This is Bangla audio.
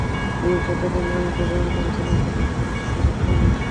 গুরুর সাথে পাঙ্গা নিতে বারণ করেছিলাম, কিন্তু সে আমার কথা শুনেনি।